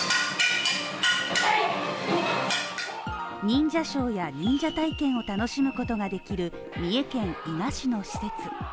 忍者ショーや、忍者体験を楽しむことができる三重県伊賀市の施設。